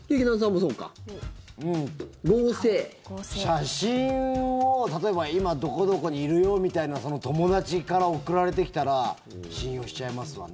写真を、例えば今どこどこにいるよみたいな友達から送られてきたら信用しちゃいますわね。